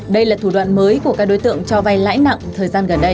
đây là thủ đoạn mới của các đối tượng cho vay lãi nặng thời gian gần đây